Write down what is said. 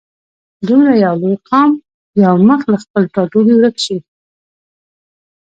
دومره یو لوی قام یو مخ له خپل ټاټوبي ورک شي.